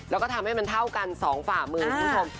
แล้วก็ทำให้มันเท่ากันสองฝ่ามือคุณผู้ชม